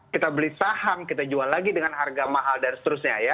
kita beli saham kita jual lagi dengan harga mahal dan seterusnya ya